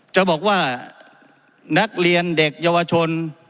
จะบอกว่านักเรียนเด็กเยาวชน